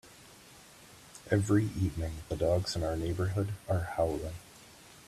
Every evening, the dogs in our neighbourhood are howling.